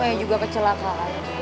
woy juga kecelakaan